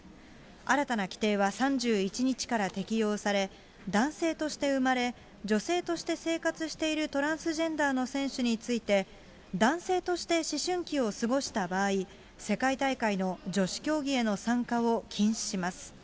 新たな規定は３１日から適用され、男性として生まれ、女性として生活しているトランスジェンダーの選手について、男性として思春期を過ごした場合、世界大会の女子競技への参加を禁止します。